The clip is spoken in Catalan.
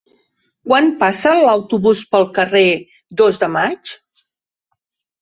Quan passa l'autobús pel carrer Dos de Maig?